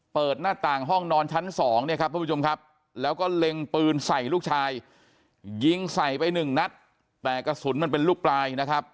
เปิดหน้าต่างห้องนอนชั้นสองเนี่ยครับทุกผู้ชมครับแล้วก็เล็งปืนใส่ลูกชายยิงใส่ไปหนึ่งนัดแต่กระสุนมันเป็นลูกปลายนะครับ